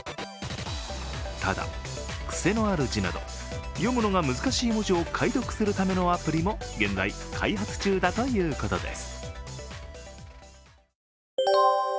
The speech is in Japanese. ただ、くせのある字など読むのが難しい文字を解読するためのアプリも現在開発中だということです。